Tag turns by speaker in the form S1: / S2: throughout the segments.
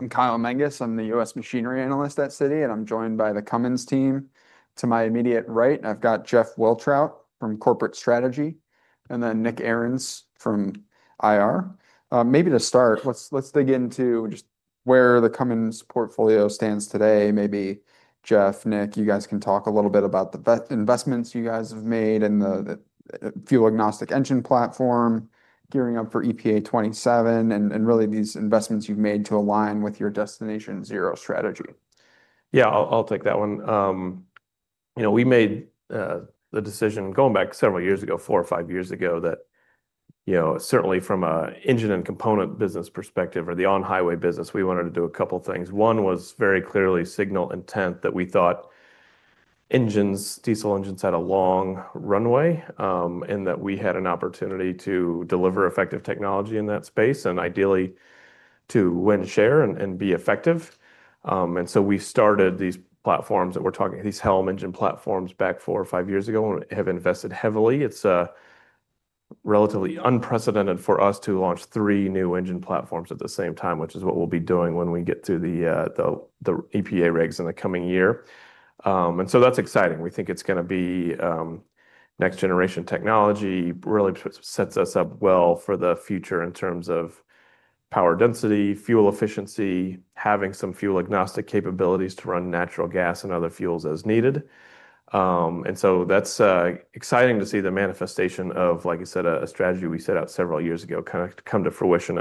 S1: I'm Kyle Menges. I'm the U.S. Machinery Analyst at Citi, and I'm joined by the Cummins team. To my immediate right, I've got Jeff Wiltrout from Corporate Strategy, and then Nick Arens from IR. Maybe to start, let's dig into just where the Cummins portfolio stands today. Maybe Jeff, Nick, you guys can talk a little bit about the investments you guys have made and the fuel-agnostic engine platform, gearing up for EPA 2027, and really these investments you've made to align with your Destination Zero strategy.
S2: Yeah, I'll take that one. You know, we made the decision, going back several years ago, four or five years ago, that, you know, certainly from an engine and component business perspective or the on-highway business, we wanted to do a couple things. One was very clearly signal intent, that we thought engines, diesel engines, had a long runway, you know, and that we had an opportunity to deliver effective technology in that space and ideally to win share and be effective. You know, we started these platforms that we're talking, these HELM engine platforms, back four or five years ago and have invested heavily. It's relatively unprecedented for us to launch three new engine platforms at the same time, which is what we'll be doing when we get to the EPA regs in the coming year. You know, that's exciting. We think it's gonna be next-generation technology. Really sets us up well for the future in terms of power density, fuel efficiency, having some fuel-agnostic capabilities to run natural gas and other fuels as needed. And so that's exciting to see the manifestation of, like I said, a strategy we set out several years ago kind of come to fruition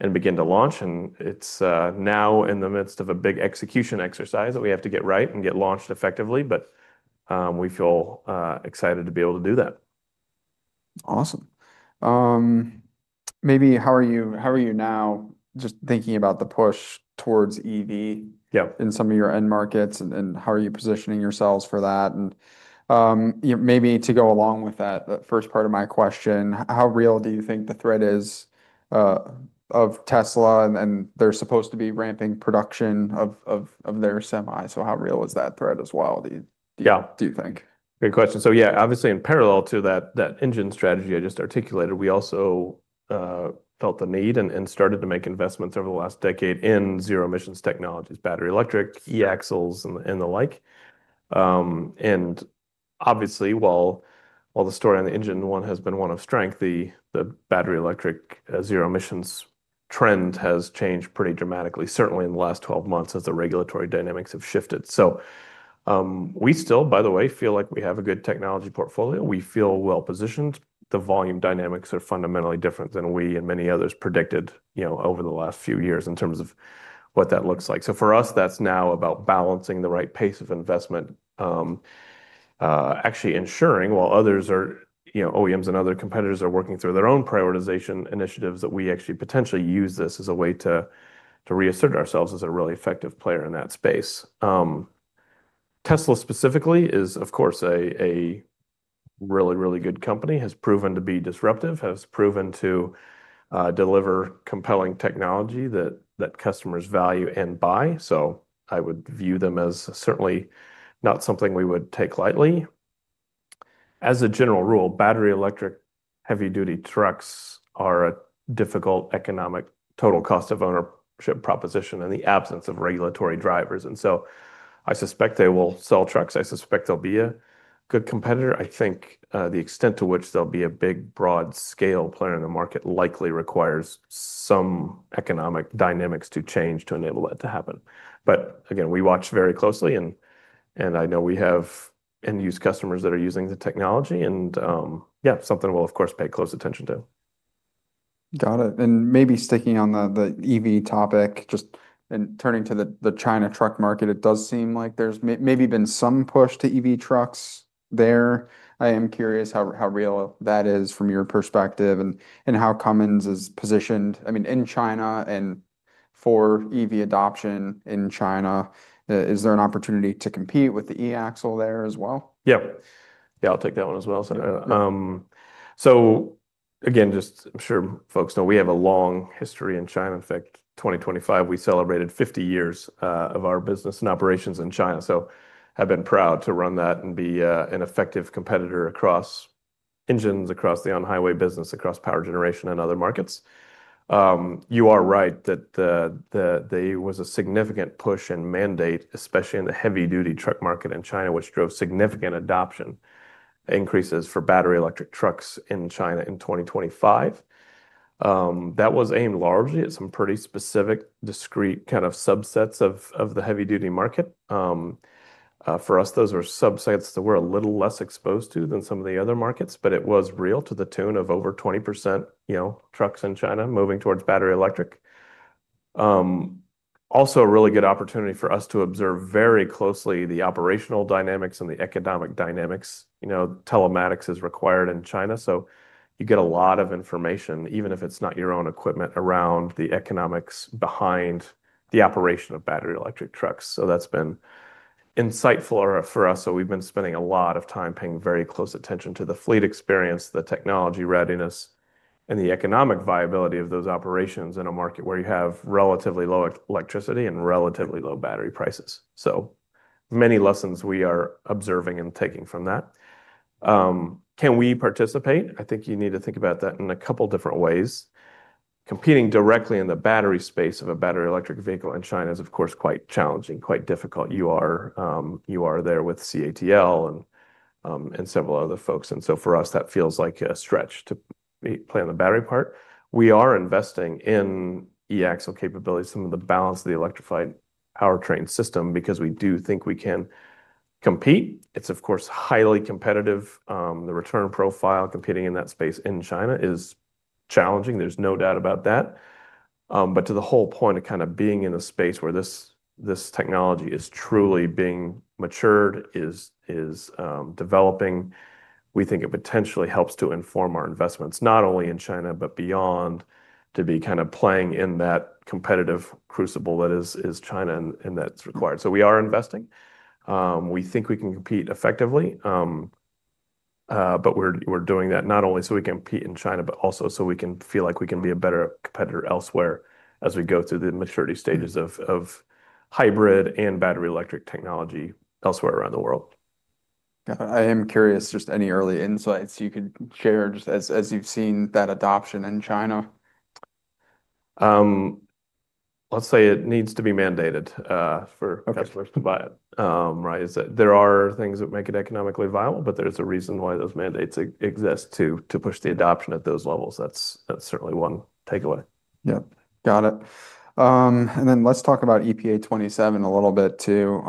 S2: and begin to launch, and it's now in the midst of a big execution exercise that we have to get right and get launched effectively. But we feel excited to be able to do that.
S1: Awesome. Maybe how are you, how are you now just thinking about the push towards EV-
S2: Yeah...
S1: in some of your end markets, and how are you positioning yourselves for that? And, you know, maybe to go along with that, the first part of my question, how real do you think the threat is of Tesla? And they're supposed to be ramping production of their Semi, so how real is that threat as well, do you-
S2: Yeah...
S1: do you think?
S2: Great question. So yeah, obviously, in parallel to that, that engine strategy I just articulated, we also felt the need and started to make investments over the last decade in zero-emissions technologies, battery electric, e-axles, and the like. And obviously, while the story on the engine one has been one of strength, the battery electric zero-emissions trend has changed pretty dramatically, certainly in the last 12 months as the regulatory dynamics have shifted. So, we still, by the way, feel like we have a good technology portfolio. We feel well-positioned. The volume dynamics are fundamentally different than we and many others predicted, you know, over the last few years in terms of what that looks like. So for us, that's now about balancing the right pace of investment, actually ensuring while others are, you know, OEMs and other competitors are working through their own prioritization initiatives, that we actually potentially use this as a way to, to reassert ourselves as a really effective player in that space. Tesla specifically is, of course, a, a really, really good company. Has proven to be disruptive, has proven to deliver compelling technology that, that customers value and buy, so I would view them as certainly not something we would take lightly. As a general rule, battery electric heavy-duty trucks are a difficult economic total cost of ownership proposition in the absence of regulatory drivers, and so I suspect they will sell trucks. I suspect they'll be a good competitor. I think, the extent to which they'll be a big, broad scale player in the market likely requires some economic dynamics to change to enable that to happen. But again, we watch very closely, and I know we have end-use customers that are using the technology, and yeah, something we'll of course pay close attention to.
S1: Got it. And maybe sticking on the EV topic, just turning to the China truck market, it does seem like there's maybe been some push to EV trucks there. I am curious how real that is from your perspective and how Cummins is positioned, I mean, in China and for EV adoption in China. Is there an opportunity to compete with the e-axle there as well?
S2: Yeah. Yeah, I'll take that one as well, Kyle. So again, just I'm sure folks know, we have a long history in China. In fact, 2025, we celebrated 50 years of our business and operations in China, so have been proud to run that and be an effective competitor across engines, across the on-highway business, across power generation and other markets. You are right that there was a significant push and mandate, especially in the heavy-duty truck market in China, which drove significant adoption increases for battery electric trucks in China in 2025. That was aimed largely at some pretty specific, discrete kind of subsets of the heavy-duty market. For us, those are subsets that we're a little less exposed to than some of the other markets, but it was real, to the tune of over 20%, you know, trucks in China moving towards battery electric. Also a really good opportunity for us to observe very closely the operational dynamics and the economic dynamics. You know, telematics is required in China, so you get a lot of information, even if it's not your own equipment, around the economics behind the operation of battery electric trucks. So that's been insightful for us. So we've been spending a lot of time paying very close attention to the fleet experience, the technology readiness, and the economic viability of those operations in a market where you have relatively low electricity and relatively low battery prices. So many lessons we are observing and taking from that. Can we participate? I think you need to think about that in a couple different ways. Competing directly in the battery space of a battery electric vehicle in China is, of course, quite challenging, quite difficult. You are, you are there with CATL and, and several other folks, and so for us, that feels like a stretch to be playing the battery part. We are investing in e-axle capabilities, some of the balance of the electrified powertrain system, because we do think we can compete. It's, of course, highly competitive. The return profile competing in that space in China is challenging, there's no doubt about that. But to the whole point of kind of being in a space where this, this technology is truly being matured, developing, we think it potentially helps to inform our investments, not only in China, but beyond, to be kind of playing in that competitive crucible that is China, and that's required. So we are investing. We think we can compete effectively. But we're doing that not only so we compete in China, but also so we can feel like we can be a better competitor elsewhere as we go through the maturity stages of hybrid and battery electric technology elsewhere around the world.
S1: Got it. I am curious, just any early insights you could share just as, as you've seen that adoption in China?
S2: Let's say it needs to be mandated.
S1: Okay...
S2: customers to buy it. Right? There are things that make it economically viable, but there's a reason why those mandates exist to push the adoption at those levels. That's certainly one takeaway.
S1: Yep. Got it. And then let's talk about EPA 2027 a little bit too.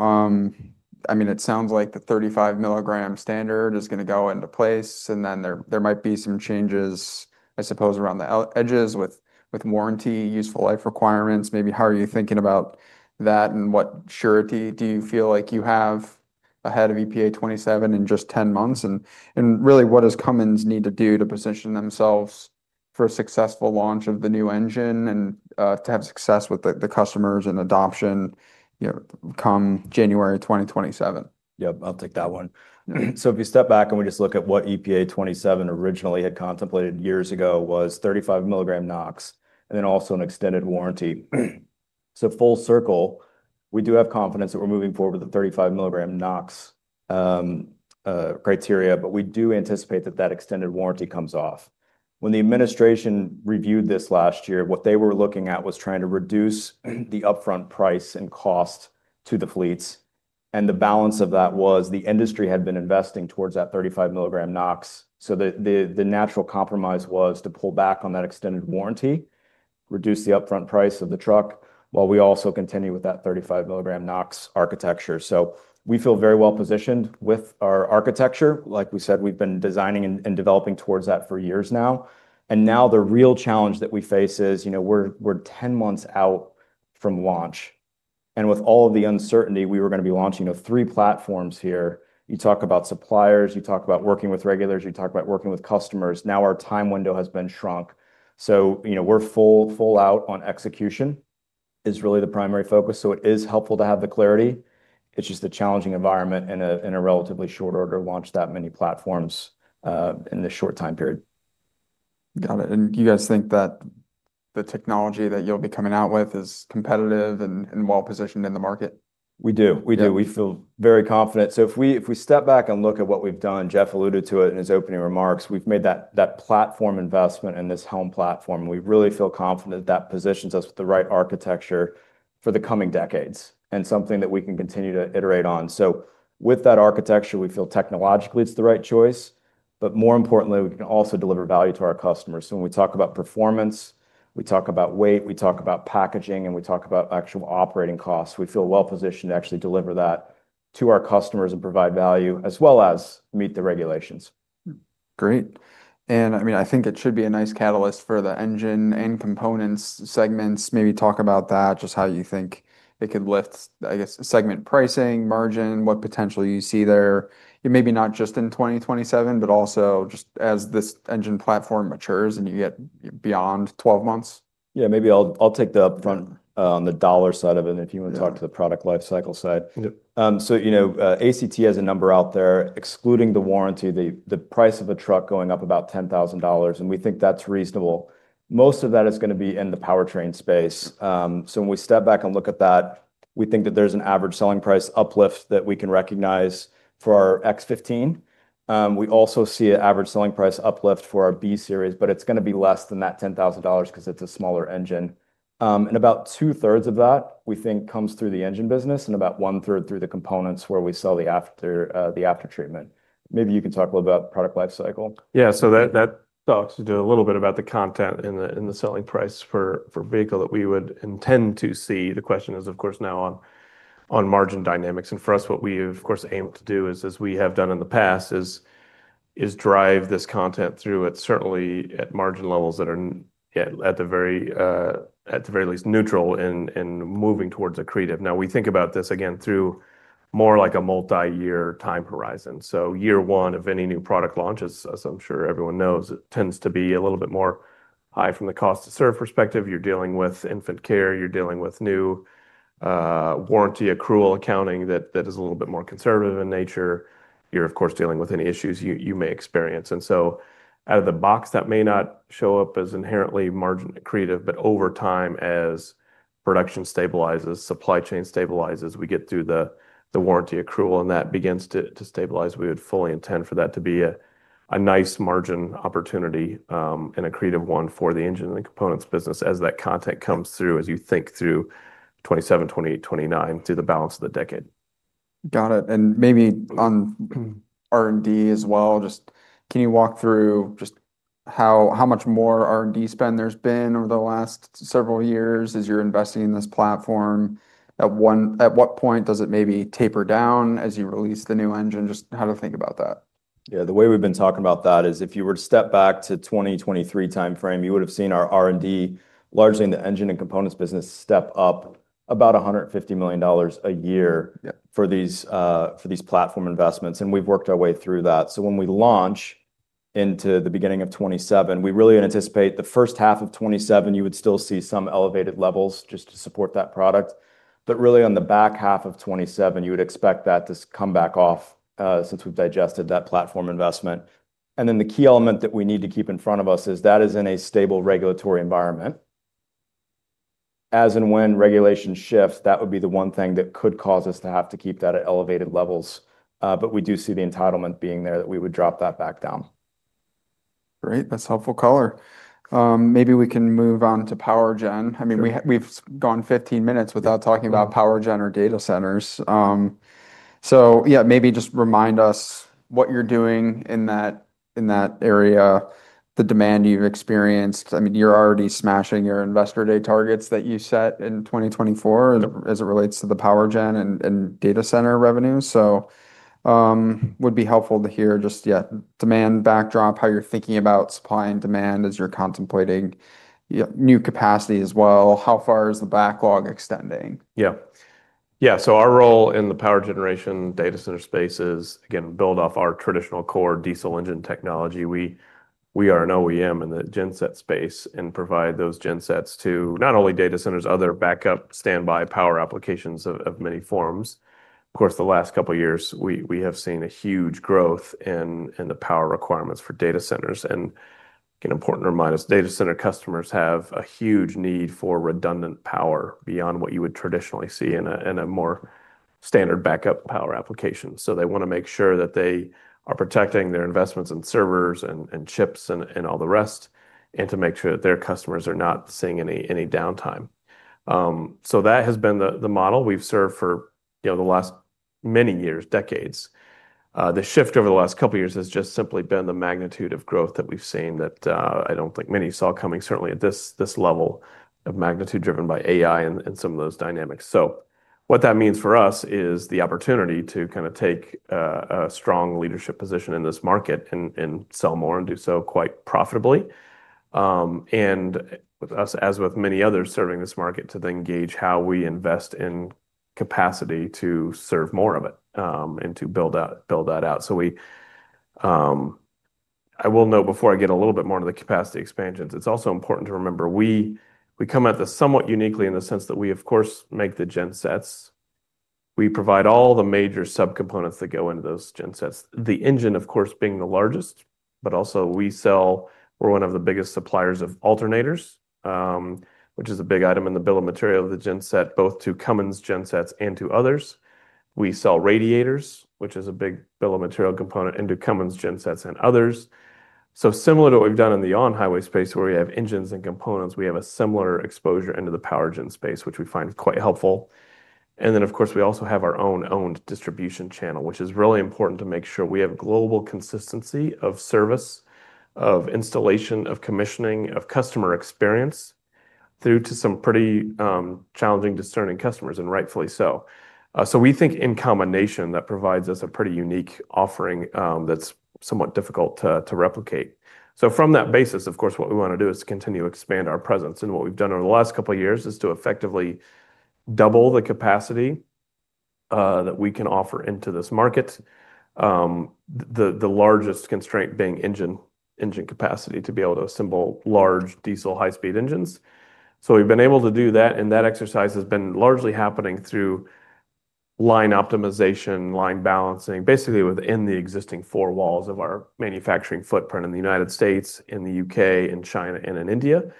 S1: I mean, it sounds like the 35 mg standard is gonna go into place, and then there, there might be some changes, I suppose, around the outer edges with, with warranty, useful life requirements. Maybe how are you thinking about that, and what surety do you feel like you have ahead of EPA 2027 in just 10 months? And, and really, what does Cummins need to do to position themselves for a successful launch of the new engine and to have success with the, the customers and adoption, you know, come January 2027?
S3: Yep, I'll take that one. So if you step back and we just look at what EPA 2027 originally had contemplated years ago was 35 mg NOx, and then also an extended warranty. So full circle, we do have confidence that we're moving forward with the 35 mg NOx criteria, but we do anticipate that that extended warranty comes off. When the administration reviewed this last year, what they were looking at was trying to reduce the upfront price and cost to the fleets, and the balance of that was the industry had been investing towards that 35 mg NOx. So the natural compromise was to pull back on that extended warranty, reduce the upfront price of the truck, while we also continue with that 35 mg NOx architecture. So we feel very well positioned with our architecture. Like we said, we've been designing and developing towards that for years now. Now the real challenge that we face is, you know, we're 10 months out from launch, and with all of the uncertainty, we were gonna be launching, you know, three platforms here. You talk about suppliers, you talk about working with regulators, you talk about working with customers. Now, our time window has been shrunk. So, you know, we're full out on execution is really the primary focus. So it is helpful to have the clarity. It's just a challenging environment in a relatively short order to launch that many platforms in this short time period.
S1: Got it. You guys think that the technology that you'll be coming out with is competitive and well-positioned in the market?
S3: We do.
S1: Yeah.
S3: We do. We feel very confident. So if we, if we step back and look at what we've done, Jeff alluded to it in his opening remarks, we've made that, that platform investment in this HELM platform. We really feel confident that positions us with the right architecture for the coming decades, and something that we can continue to iterate on. So with that architecture, we feel technologically it's the right choice, but more importantly, we can also deliver value to our customers. So when we talk about performance, we talk about weight, we talk about packaging, and we talk about actual operating costs, we feel well positioned to actually deliver that to our customers and provide value, as well as meet the regulations.
S1: Great. I mean, I think it should be a nice catalyst for the engine and components segments. Maybe talk about that, just how you think it could lift, I guess, segment pricing, margin, what potential you see there, and maybe not just in 2027, but also just as this engine platform matures and you get beyond 12 months.
S3: Yeah, maybe I'll take the upfront on the dollar side of it, and if you-
S1: Yeah...
S3: wanna talk to the product lifecycle side.
S2: Yep.
S3: So, you know, ACT has a number out there, excluding the warranty, the price of a truck going up about $10,000, and we think that's reasonable. Most of that is gonna be in the powertrain space. So when we step back and look at that, we think that there's an average selling price uplift that we can recognize for our X15. We also see an average selling price uplift for our B Series, but it's gonna be less than that $10,000 'cause it's a smaller engine. And about two-thirds of that, we think, comes through the engine business and about one-third through the components where we sell the after, the aftertreatment. Maybe you can talk a little about product lifecycle.
S2: Yeah, so that, that talks a little bit about the content in the, in the selling price for, for vehicle that we would intend to see. The question is, of course, now on, on margin dynamics. And for us, what we, of course, aim to do is, as we have done in the past, is, is drive this content through it, certainly at margin levels that are at, at the very, at the very least, neutral and, and moving towards accretive. Now, we think about this again through more like a multi-year time horizon. So year one of any new product launches, as I'm sure everyone knows, it tends to be a little bit more high from the cost to serve perspective. You're dealing with infant care, you're dealing with new, warranty accrual, accounting that, that is a little bit more conservative in nature. You're, of course, dealing with any issues you may experience. And so out of the box, that may not show up as inherently margin accretive, but over time, as production stabilizes, supply chain stabilizes, we get through the warranty accrual, and that begins to stabilize, we would fully intend for that to be a nice margin opportunity, and a creative one for the engine and the components business as that content comes through, as you think through 2027, 2028, 2029, through the balance of the decade.
S1: Got it. Maybe on R&D as well, just can you walk through just how, how much more R&D spend there's been over the last several years as you're investing in this platform? At what point does it maybe taper down as you release the new engine? Just how to think about that?
S2: Yeah, the way we've been talking about that is if you were to step back to 2023 time frame, you would have seen our R&D, largely in the engine and components business, step up about $150 million a year-
S1: Yeah...
S2: for these for these platform investments, and we've worked our way through that. So when we launch into the beginning of 2027, we really anticipate the first half of 2027, you would still see some elevated levels just to support that product. But really, on the back half of 2027, you would expect that to come back off, since we've digested that platform investment. And then the key element that we need to keep in front of us is that is in a stable regulatory environment. As and when regulation shifts, that would be the one thing that could cause us to have to keep that at elevated levels. But we do see the entitlement being there, that we would drop that back down.
S1: Great, that's helpful color. Maybe we can move on to power gen. I mean, we, we've gone 15 minutes without talking about power gen or data centers. So yeah, maybe just remind us what you're doing in that, in that area, the demand you've experienced. I mean, you're already smashing your investor day targets that you set in 2024-
S2: Yep...
S1: as it relates to the power gen and data center revenue. So, would be helpful to hear just, yeah, demand backdrop, how you're thinking about supply and demand as you're contemplating, yeah, new capacity as well. How far is the backlog extending?
S2: Yeah. Yeah, so our role in the power generation data center space is, again, build off our traditional core diesel engine technology. We, we are an OEM in the genset space and provide those gensets to not only data centers, other backup standby power applications of, of many forms. Of course, the last couple of years, we, we have seen a huge growth in, in the power requirements for data centers. And again, important to remind us, data center customers have a huge need for redundant power beyond what you would traditionally see in a, in a more standard backup power application. So they want to make sure that they are protecting their investments in servers and, and chips and, and all the rest, and to make sure that their customers are not seeing any, any downtime. So that has been the model we've served for, you know, the last many years, decades. The shift over the last couple of years has just simply been the magnitude of growth that we've seen that I don't think many saw coming, certainly at this level of magnitude driven by AI and some of those dynamics. So what that means for us is the opportunity to kind of take a strong leadership position in this market and sell more and do so quite profitably. And with us, as with many others serving this market, to then gauge how we invest in capacity to serve more of it and to build that out. So we, I will note before I get a little bit more into the capacity expansions, it's also important to remember we come at this somewhat uniquely in the sense that we, of course, make the gensets. We provide all the major subcomponents that go into those gensets. The engine, of course, being the largest, but also we sell... We're one of the biggest suppliers of alternators, which is a big item in the bill of material of the genset, both to Cummins gensets and to others. We sell radiators, which is a big bill of material component, into Cummins gensets and others. So similar to what we've done in the on-highway space, where we have engines and components, we have a similar exposure into the power gen space, which we find quite helpful. Then, of course, we also have our own owned distribution channel, which is really important to make sure we have global consistency of service, of installation, of commissioning, of customer experience, through to some pretty challenging, discerning customers, and rightfully so. So we think in combination, that provides us a pretty unique offering, that's somewhat difficult to replicate. So from that basis, of course, what we want to do is continue to expand our presence. And what we've done over the last couple of years is to effectively double the capacity that we can offer into this market. The largest constraint being engine capacity to be able to assemble large diesel high-speed engines. So we've been able to do that, and that exercise has been largely happening through line optimization, line balancing, basically within the existing four walls of our manufacturing footprint in the United States, in the U.K., in China, and in India,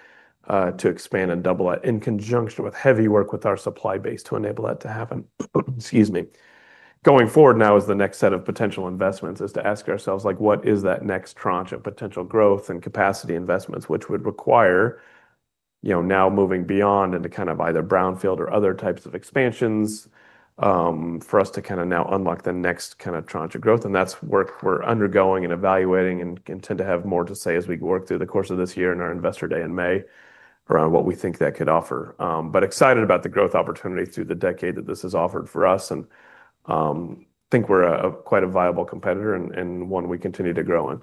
S2: to expand and double that, in conjunction with heavy work with our supply base to enable that to happen. Excuse me. Going forward now is the next set of potential investments, is to ask ourselves, like, what is that next tranche of potential growth and capacity investments? Which would require, you know, now moving beyond into kind of either brownfield or other types of expansions, for us to kind of now unlock the next kind of tranche of growth. That's work we're undergoing and evaluating and intend to have more to say as we work through the course of this year and our investor day in May around what we think that could offer. But excited about the growth opportunity through the decade that this has offered for us. I think we're quite a viable competitor and one we continue to grow in.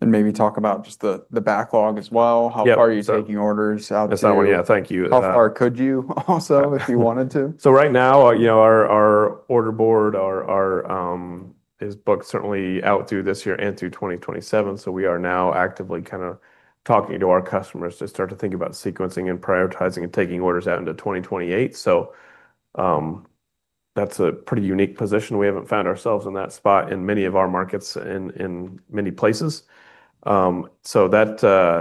S1: Maybe talk about just the backlog as well.
S2: Yeah.
S1: How far are you taking orders out there?
S2: That's right. Yeah, thank you.
S1: How far could you also, if you wanted to?
S2: So right now, you know, our order board is booked certainly out through this year and through 2027. So we are now actively kind of talking to our customers to start to think about sequencing and prioritizing and taking orders out into 2028. So, that's a pretty unique position. We haven't found ourselves in that spot in many of our markets and in many places. So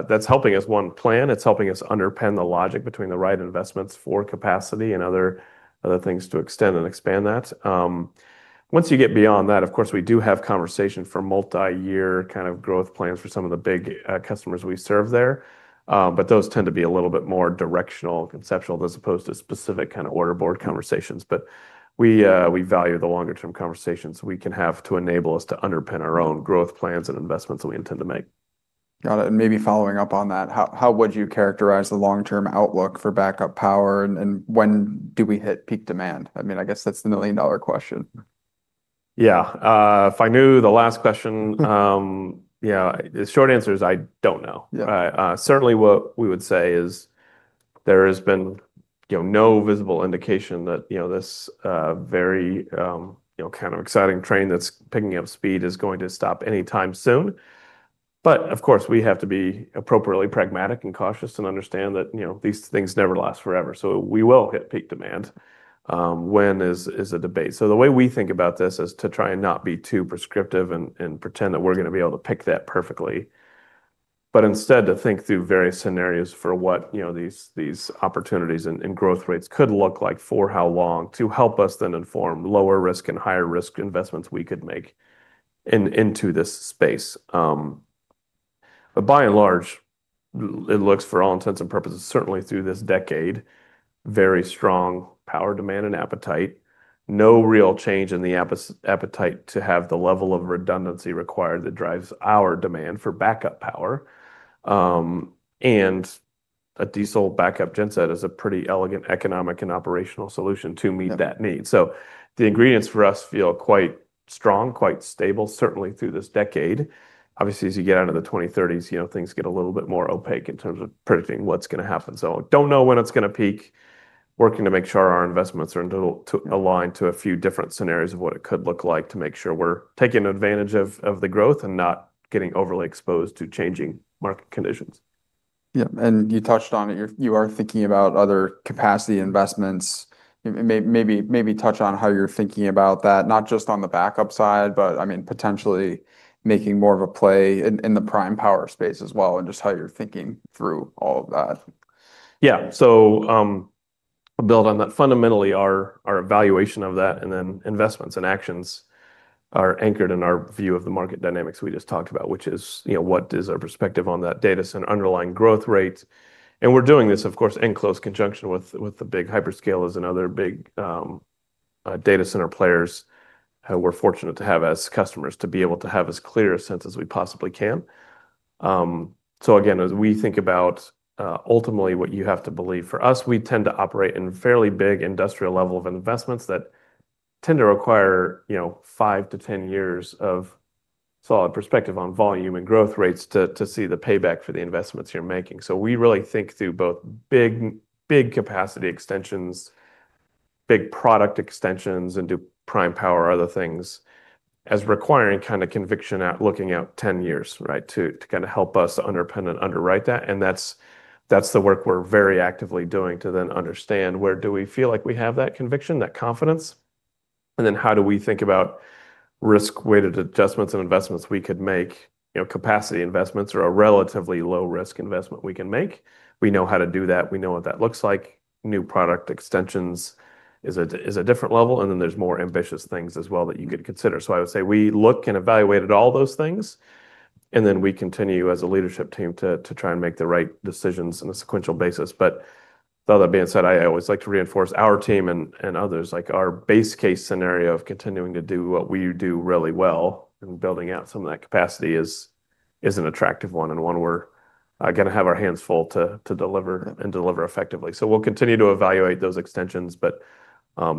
S2: that's helping us one plan. It's helping us underpin the logic between the right investments for capacity and other things to extend and expand that. Once you get beyond that, of course, we do have conversation for multi-year kind of growth plans for some of the big customers we serve there. But those tend to be a little bit more directional, conceptual, as opposed to specific kind of order board conversations. But we, we value the longer term conversations we can have to enable us to underpin our own growth plans and investments that we intend to make.
S1: Got it. And maybe following up on that, how, how would you characterize the long-term outlook for backup power, and, and when do we hit peak demand? I mean, I guess that's the million-dollar question.
S2: Yeah. If I knew the last question, yeah, the short answer is, I don't know.
S1: Yeah.
S2: I certainly what we would say is there has been, you know, no visible indication that, you know, this very, you know, kind of exciting train that's picking up speed is going to stop anytime soon. But of course, we have to be appropriately pragmatic and cautious and understand that, you know, these things never last forever, so we will hit peak demand. When is a debate. So the way we think about this is to try and not be too prescriptive and pretend that we're gonna be able to pick that perfectly, but instead to think through various scenarios for what, you know, these opportunities and growth rates could look like, for how long, to help us then inform lower risk and higher risk investments we could make into this space. But by and large, it looks for all intents and purposes, certainly through this decade, very strong power demand and appetite. No real change in the appetite to have the level of redundancy required that drives our demand for backup power. And a diesel backup genset is a pretty elegant, economic, and operational solution to meet that need.
S1: Yeah.
S2: So the ingredients for us feel quite strong, quite stable, certainly through this decade. Obviously, as you get out of the 2030s, you know, things get a little bit more opaque in terms of predicting what's gonna happen. So don't know when it's gonna peak. Working to make sure our investments are to align to a few different scenarios of what it could look like to make sure we're taking advantage of, of the growth and not getting overly exposed to changing market conditions.
S1: Yeah, and you touched on it. You are thinking about other capacity investments. Maybe, maybe touch on how you're thinking about that, not just on the backup side, but I mean, potentially making more of a play in the prime power space as well, and just how you're thinking through all of that.
S2: Yeah. So, build on that. Fundamentally, our, our evaluation of that, and then investments and actions are anchored in our view of the market dynamics we just talked about, which is, you know, what is our perspective on that data center underlying growth rates? And we're doing this, of course, in close conjunction with, with the big hyperscalers and other big, data center players, we're fortunate to have as customers, to be able to have as clear a sense as we possibly can. So again, as we think about, ultimately what you have to believe, for us, we tend to operate in fairly big industrial level of investments that tend to require, you know, 5-10 years of solid perspective on volume and growth rates to, to see the payback for the investments you're making. So we really think through both big, big capacity extensions, big product extensions, into prime power, other things, as requiring kind of conviction looking out 10 years, right, to, to kinda help us underpin and underwrite that. And that's, that's the work we're very actively doing, to then understand where do we feel like we have that conviction, that confidence, and then how do we think about risk-weighted adjustments and investments we could make? You know, capacity investments are a relatively low-risk investment we can make. We know how to do that. We know what that looks like. New product extensions is a, is a different level, and then there's more ambitious things as well that you could consider. So I would say we look and evaluate at all those things, and then we continue, as a leadership team, to try and make the right decisions on a sequential basis. But with that being said, I always like to reinforce our team and others, like, our base case scenario of continuing to do what we do really well and building out some of that capacity is an attractive one, and one we're gonna have our hands full to deliver-
S1: Yeah...
S2: and deliver effectively. So we'll continue to evaluate those extensions, but,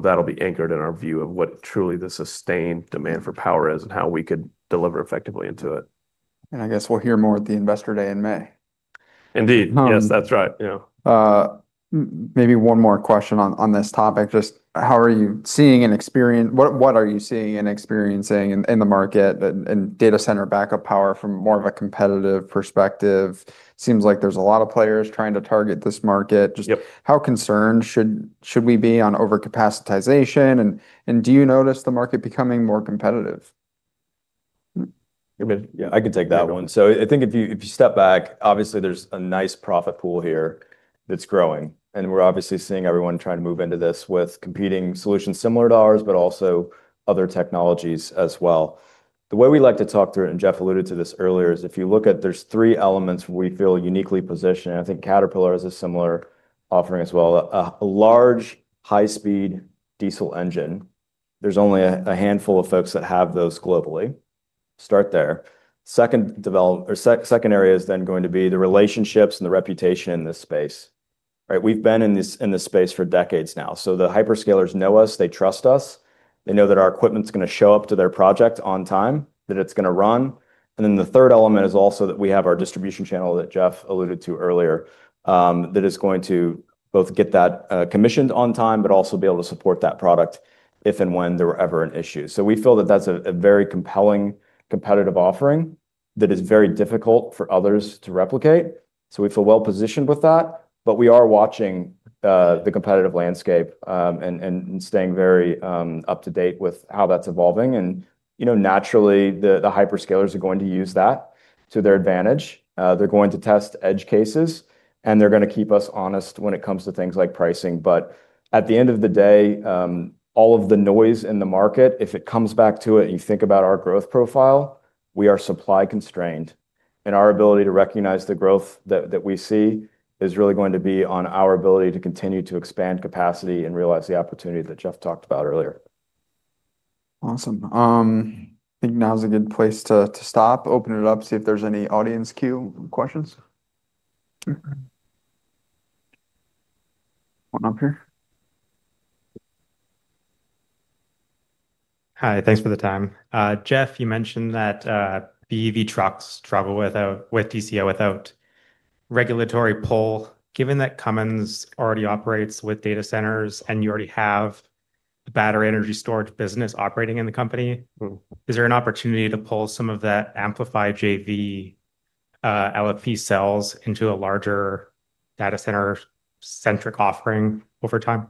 S2: that'll be anchored in our view of what truly the sustained demand for power is and how we could deliver effectively into it.
S1: I guess we'll hear more at the Investor Day in May.
S2: Indeed.
S1: Um-
S2: Yes, that's right. Yeah.
S1: Maybe one more question on this topic. What are you seeing and experiencing in the market and data center backup power from more of a competitive perspective? Seems like there's a lot of players trying to target this market.
S2: Yep.
S1: Just how concerned should we be on over-capacitization, and do you notice the market becoming more competitive?
S3: Yeah, I can take that one.
S1: Yeah.
S3: So I think if you step back, obviously there's a nice profit pool here that's growing, and we're obviously seeing everyone trying to move into this with competing solutions similar to ours, but also other technologies as well. The way we like to talk through it, and Jeff alluded to this earlier, is if you look at, there's three elements we feel uniquely positioned, and I think Caterpillar has a similar offering as well. A, a large, high-speed diesel engine. There's only a handful of folks that have those globally. Start there. Second, second area is then going to be the relationships and the reputation in this space, right? We've been in this space for decades now. So the hyperscalers know us, they trust us. They know that our equipment's gonna show up to their project on time, that it's gonna run. And then the third element is also that we have our distribution channel that Jeff alluded to earlier, that is going to both get that commissioned on time, but also be able to support that product if and when there were ever an issue. So we feel that that's a very compelling competitive offering that is very difficult for others to replicate. So we feel well-positioned with that, but we are watching the competitive landscape and staying very up to date with how that's evolving. And, you know, naturally, the hyperscalers are going to use that to their advantage. They're going to test edge cases, and they're going to keep us honest when it comes to things like pricing. But at the end of the day, all of the noise in the market, if it comes back to it and you think about our growth profile, we are supply constrained, and our ability to recognize the growth that we see is really going to be on our ability to continue to expand capacity and realize the opportunity that Jeff talked about earlier.
S1: Awesome. I think now is a good place to stop, open it up, see if there's any audience queue questions. Mm-hmm. One up here.
S4: Hi, thanks for the time. Jeff, you mentioned that BEV trucks travel without DCO, without regulatory pull. Given that Cummins already operates with data centers, and you already have the battery energy storage business operating in the company-
S2: Mm-hmm.
S4: Is there an opportunity to pull some of that Amplify JV, LFP cells into a larger data center-centric offering over time?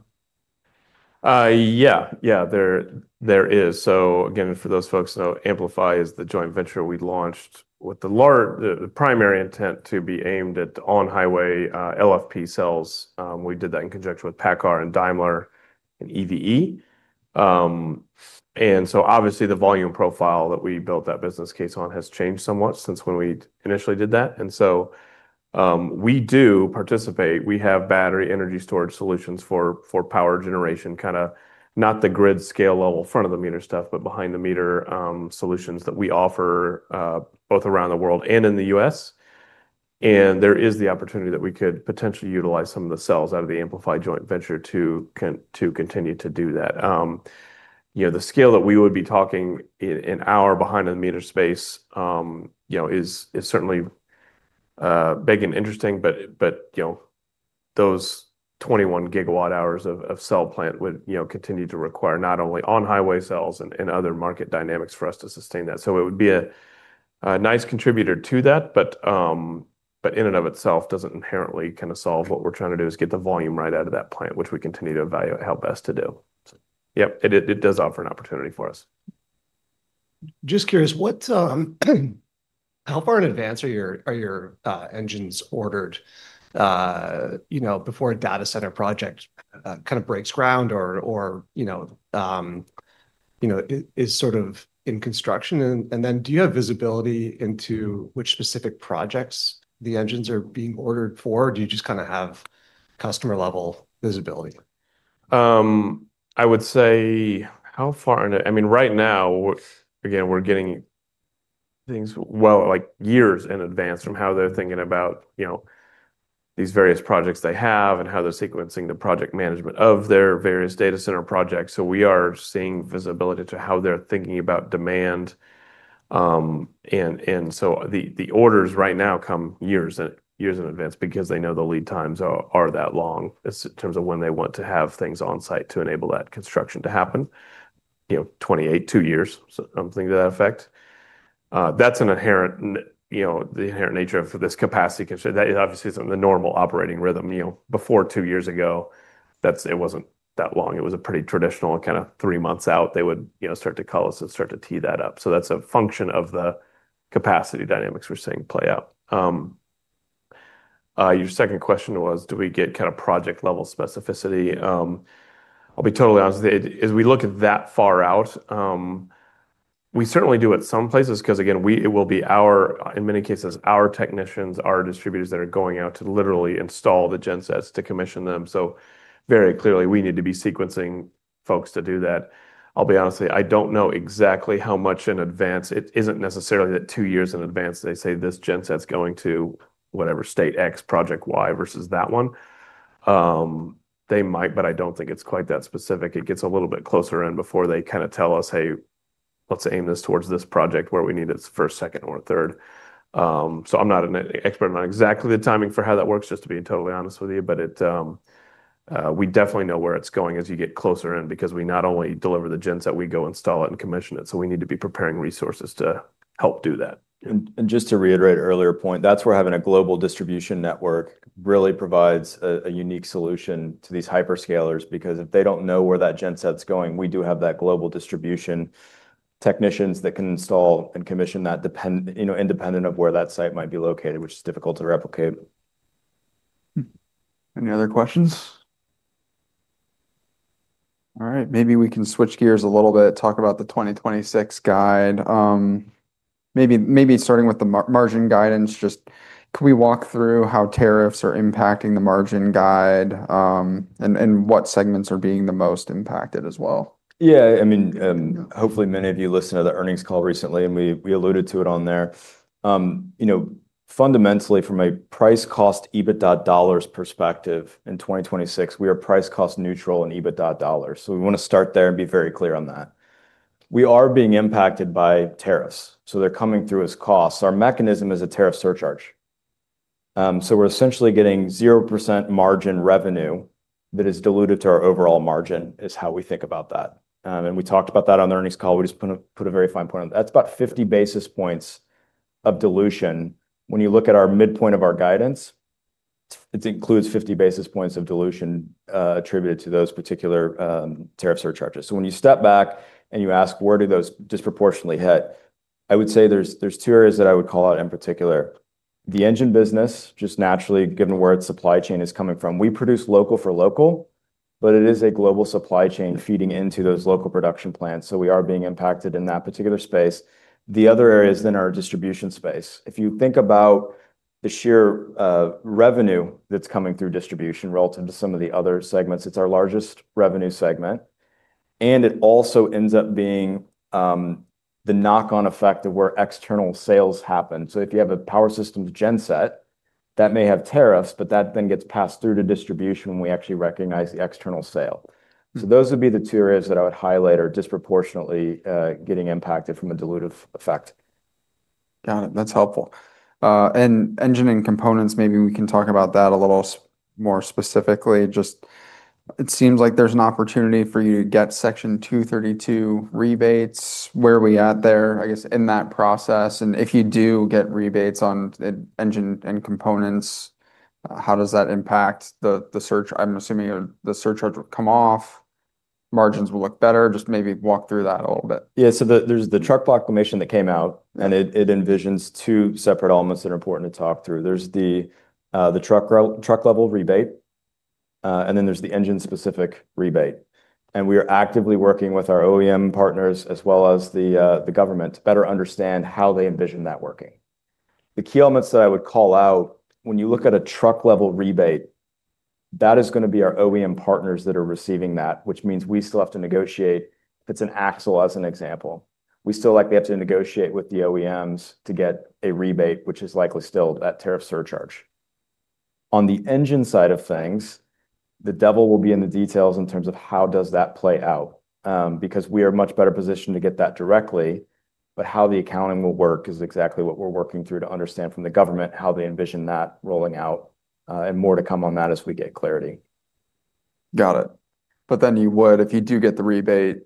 S2: Yeah. Yeah, there is. So again, for those folks, so Amplify is the joint venture we launched with the primary intent to be aimed at on-highway LFP cells. We did that in conjunction with PACCAR and Daimler and EVE. And so obviously, the volume profile that we built that business case on has changed somewhat since when we initially did that. And so, we do participate. We have battery energy storage solutions for power generation, kind of not the grid scale level, front-of-the-meter stuff, but behind-the-meter solutions that we offer both around the world and in the U.S. And there is the opportunity that we could potentially utilize some of the cells out of the Amplify joint venture to continue to do that. You know, the scale that we would be talking in, in our behind-the-meter space, you know, is certainly big and interesting. But you know, those 21 GWh of cell plant would, you know, continue to require not only on-highway cells and other market dynamics for us to sustain that. So it would be a nice contributor to that, but in and of itself, doesn't inherently kind of solve. What we're trying to do is get the volume right out of that plant, which we continue to evaluate how best to do. So yep, it does offer an opportunity for us.
S4: Just curious, how far in advance are your engines ordered, you know, before a data center project kind of breaks ground or, you know, is sort of in construction? And then do you have visibility into which specific projects the engines are being ordered for, or do you just kind of have customer-level visibility?
S2: I would say, how far in... I mean, right now, again, we're getting things well, like years in advance from how they're thinking about, you know, these various projects they have and how they're sequencing the project management of their various data center projects. So we are seeing visibility to how they're thinking about demand. And, and so the, the orders right now come years and years in advance because they know the lead times are, are that long in terms of when they want to have things on site to enable that construction to happen, you know, 28, two years. So something to that effect. That's an inherent, you know, the inherent nature of this capacity, because that is obviously isn't the normal operating rhythm. You know, before two years ago, that's, it wasn't that long. It was a pretty traditional kind of three months out, they would, you know, start to call us and start to tee that up. So that's a function of the capacity dynamics we're seeing play out. Your second question was, do we get kind of project-level specificity? I'll be totally honest, as we look at that far out, we certainly do at some places, 'cause again, it will be our, in many cases, our technicians, our distributors that are going out to literally install the gensets to commission them. So very clearly, we need to be sequencing folks to do that. I'll be honest with you, I don't know exactly how much in advance. It isn't necessarily that two years in advance, they say this genset's going to whatever state X, project Y versus that one. They might, but I don't think it's quite that specific. It gets a little bit closer in before they kind of tell us, "Hey, let's aim this towards this project where we need it as first, second, or third." So I'm not an expert on exactly the timing for how that works, just to be totally honest with you. But it, we definitely know where it's going as you get closer in, because we not only deliver the genset, we go install it and commission it, so we need to be preparing resources to help do that.
S3: Just to reiterate an earlier point, that's where having a global distribution network really provides a unique solution to these hyperscalers, because if they don't know where that genset's going, we do have that global distribution technicians that can install and commission that depending, you know, independent of where that site might be located, which is difficult to replicate.
S1: Any other questions? All right, maybe we can switch gears a little bit, talk about the 2026 guide. Maybe, maybe starting with the margin guidance, just can we walk through how tariffs are impacting the margin guide, and what segments are being the most impacted as well?
S3: Yeah, I mean, hopefully many of you listened to the earnings call recently, and we, we alluded to it on there. You know, fundamentally, from a price cost EBITDA dollars perspective, in 2026, we are price cost neutral and EBITDA dollars. So we want to start there and be very clear on that. We are being impacted by tariffs, so they're coming through as costs. Our mechanism is a tariff surcharge. So we're essentially getting 0% margin revenue that is diluted to our overall margin, is how we think about that. And we talked about that on the earnings call. We just put a, put a very fine point on it. That's about 50 basis points of dilution, when you look at our midpoint of our guidance, it includes 50 basis points of dilution, attributed to those particular, tariff surcharges. So when you step back and you ask, where do those disproportionately hit? I would say there's two areas that I would call out in particular. The engine business, just naturally, given where its supply chain is coming from. We produce local for local, but it is a global supply chain feeding into those local production plants, so we are being impacted in that particular space. The other areas then are distribution space. If you think about the sheer revenue that's coming through distribution relative to some of the other segments, it's our largest revenue segment, and it also ends up being the knock-on effect of where external sales happen. So if you have a power system gen set, that may have tariffs, but that then gets passed through to distribution when we actually recognize the external sale. So those would be the two areas that I would highlight are disproportionately getting impacted from a dilutive effect.
S1: Got it. That's helpful. And engine and components, maybe we can talk about that a little more specifically. Just, it seems like there's an opportunity for you to get Section 232 rebates. Where are we at there, I guess, in that process? And if you do get rebates on the engine and components, how does that impact the, the surcharge? I'm assuming the surcharge will come off, margins will look better. Just maybe walk through that a little bit.
S3: Yeah. So there's the truck proclamation that came out, and it envisions two separate elements that are important to talk through. There's the truck level rebate, and then there's the engine-specific rebate, and we are actively working with our OEM partners, as well as the government, to better understand how they envision that working. The key elements that I would call out, when you look at a truck level rebate, that is gonna be our OEM partners that are receiving that, which means we still have to negotiate. If it's an axle, as an example, we still likely have to negotiate with the OEMs to get a rebate, which is likely still that tariff surcharge. On the engine side of things, the devil will be in the details in terms of how does that play out? Because we are much better positioned to get that directly, but how the accounting will work is exactly what we're working through to understand from the government, how they envision that rolling out, and more to come on that as we get clarity.
S1: Got it. But then you would, if you do get the rebate,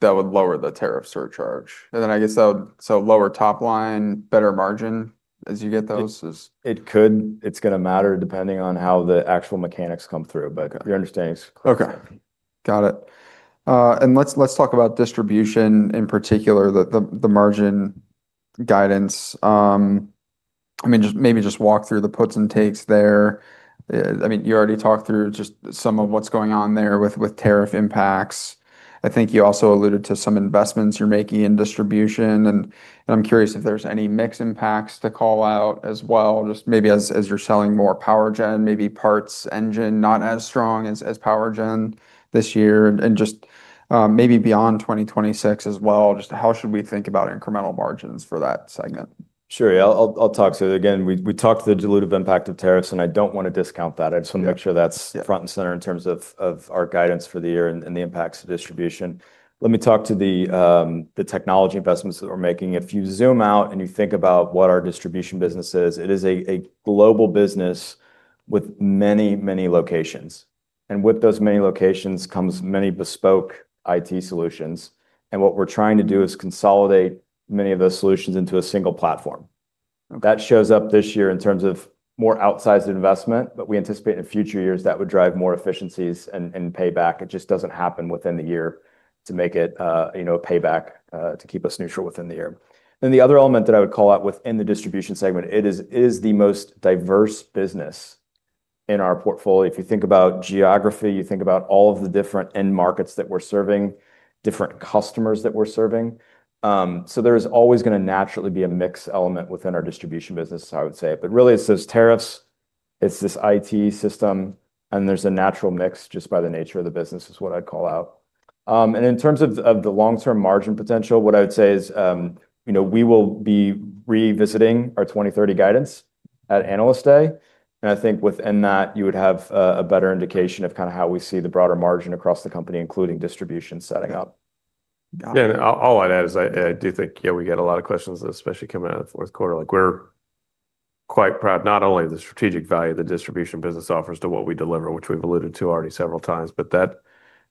S1: that would lower the tariff surcharge. And then, I guess, so lower top line, better margin as you get those?
S3: It could. It's gonna matter depending on how the actual mechanics come through.
S1: Okay.
S3: But your understanding is clear.
S1: Okay. Got it. And let's, let's talk about distribution, in particular, the margin guidance. I mean, just maybe just walk through the puts and takes there. I mean, you already talked through just some of what's going on there with tariff impacts. I think you also alluded to some investments you're making in distribution, and I'm curious if there's any mix impacts to call out as well, just maybe as you're selling more power gen, maybe parts engine, not as strong as power gen this year, and just maybe beyond 2026 as well. Just how should we think about incremental margins for that segment?
S3: Sure. Yeah. I'll talk to it again. We talked the dilutive impact of tariffs, and I don't want to discount that.
S1: Yeah.
S3: I just want to make sure that's-
S1: Yeah...
S3: front and center in terms of our guidance for the year and the impacts of distribution. Let me talk to the technology investments that we're making. If you zoom out and you think about what our distribution business is, it is a global business with many, many locations. With those many locations comes many bespoke IT solutions, and what we're trying to do is consolidate many of those solutions into a single platform.
S1: Okay.
S3: That shows up this year in terms of more outsized investment, but we anticipate in future years that would drive more efficiencies and payback. It just doesn't happen within the year to make it, you know, a payback to keep us neutral within the year. Then the other element that I would call out within the distribution segment, it is the most diverse business in our portfolio. If you think about geography, you think about all of the different end markets that we're serving, different customers that we're serving. So there is always gonna naturally be a mix element within our distribution business, I would say. But really, it's those tariffs, it's this IT system, and there's a natural mix just by the nature of the business, is what I'd call out. And in terms of the long-term margin potential, what I would say is, you know, we will be revisiting our 2030 guidance at Analyst Day. I think within that, you would have a better indication of kind of how we see the broader margin across the company, including distribution setting up.
S1: Got it.
S2: Yeah, and I'll add, I do think, yeah, we get a lot of questions, especially coming out of the fourth quarter. Like, we're quite proud, not only the strategic value the distribution business offers to what we deliver, which we've alluded to already several times, but that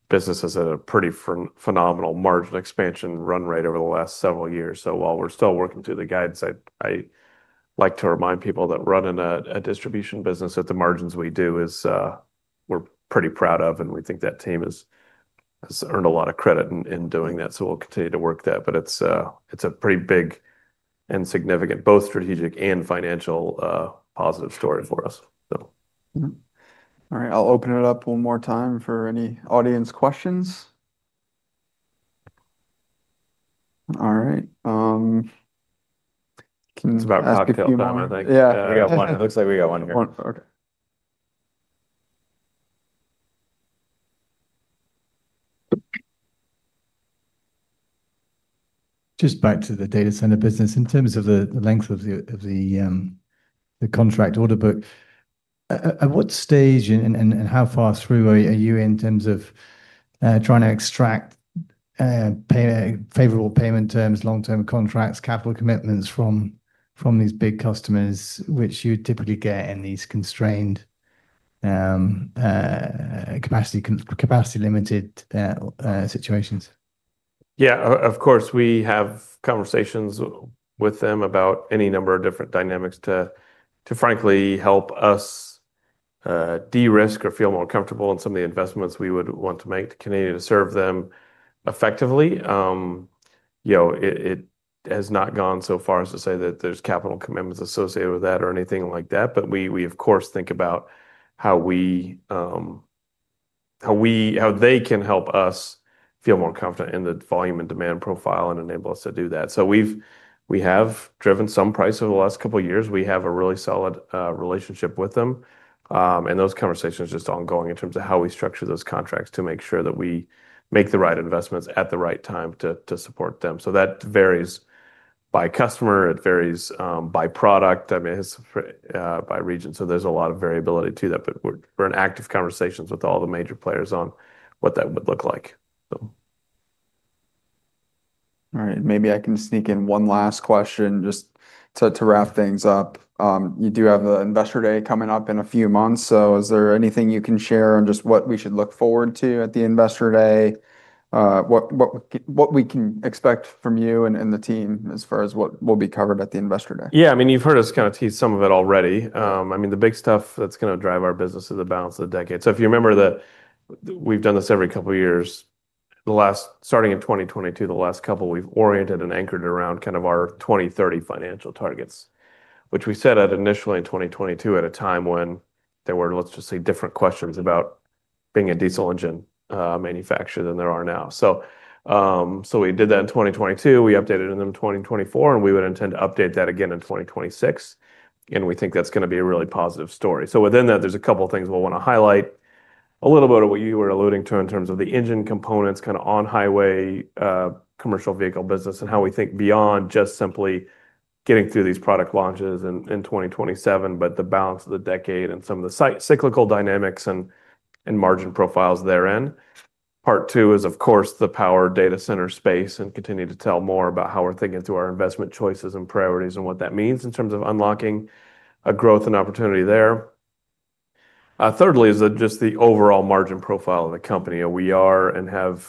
S2: business has a pretty phenomenal margin expansion run rate over the last several years. So while we're still working through the guidance, I like to remind people that running a distribution business at the margins we do is, we're pretty proud of, and we think that team has earned a lot of credit in doing that. So we'll continue to work that, but it's a pretty big and significant, both strategic and financial, positive story for us, so.
S1: Mm-hmm. All right, I'll open it up one more time for any audience questions. All right, can you-
S3: It's about cocktail time, I think.
S1: Yeah.
S3: We got one. It looks like we got one here.
S1: One. Okay.
S5: Just back to the data center business. In terms of the length of the contract order book, at what stage and how far through are you in terms of trying to extract favorable payment terms, long-term contracts, capital commitments from these big customers, which you typically get in these constrained-... capacity limited situations?
S2: Yeah, of course, we have conversations with them about any number of different dynamics to, to frankly help us, you know, de-risk or feel more comfortable in some of the investments we would want to make to Canadian to serve them effectively. You know, it has not gone so far as to say that there's capital commitments associated with that or anything like that, but we, we, of course, think about how we, you know, how we-- how they can help us feel more confident in the volume and demand profile and enable us to do that. We've-- we have driven some price over the last couple of years. We have a really solid, you know, relationship with them. And those conversations are just ongoing in terms of how we structure those contracts to make sure that we make the right investments at the right time to support them. So that varies by customer, it varies by product, I mean, it's by region. So there's a lot of variability to that, but we're in active conversations with all the major players on what that would look like, so.
S1: All right, maybe I can sneak in one last question just to wrap things up. You do have the Investor Day coming up in a few months, so is there anything you can share on just what we should look forward to at the Investor Day? What we can expect from you and the team as far as what will be covered at the Investor Day?
S2: Yeah, I mean, you've heard us kind of tease some of it already. I mean, the big stuff that's gonna drive our business is the balance of the decade. So if you remember that we've done this every couple of years. The last... Starting in 2022, the last couple, we've oriented and anchored around kind of our 2030 financial targets, which we set out initially in 2022 at a time when there were, let's just say, different questions about being a diesel engine, manufacturer than there are now. So, so we did that in 2022, we updated it in 2024, and we would intend to update that again in 2026, and we think that's gonna be a really positive story. So within that, there's a couple of things we'll want to highlight. A little bit of what you were alluding to in terms of the engine components, kind of on highway commercial vehicle business, and how we think beyond just simply getting through these product launches in 2027, but the balance of the decade and some of the cyclical dynamics and margin profiles therein. Part two is, of course, the power data center space, and continue to tell more about how we're thinking through our investment choices and priorities, and what that means in terms of unlocking growth and opportunity there. Thirdly, is just the overall margin profile of the company, and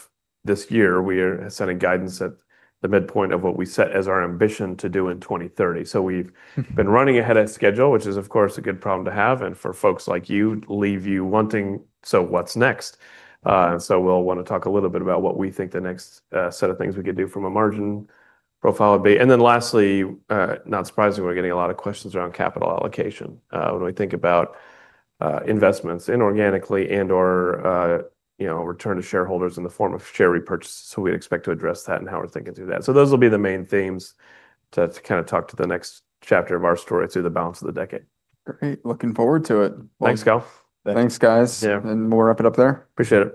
S2: this year, we are setting guidance at the midpoint of what we set as our ambition to do in 2030. So we've been running ahead of schedule, which is, of course, a good problem to have, and for folks like you, leave you wanting, "So what's next?" And so we'll want to talk a little bit about what we think the next set of things we could do from a margin profile would be. And then lastly, not surprisingly, we're getting a lot of questions around capital allocation. When we think about investments inorganically and/or, you know, return to shareholders in the form of share repurchases, so we'd expect to address that and how we're thinking through that. So those will be the main themes to kind of talk to the next chapter of our story through the balance of the decade.
S1: Great. Looking forward to it.
S2: Thanks, Gulf.
S1: Thanks, guys.
S2: Yeah.
S1: We'll wrap it up there.
S2: Appreciate it.